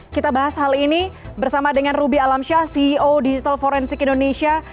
kita bahas hal ini bersama dengan ruby alamsyah ceo digital forensik indonesia